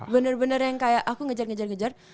bener bener yang kayak aku ngejar ngejar ngejar